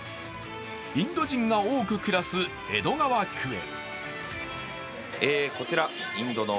インド人が多く暮らす江戸川区へ。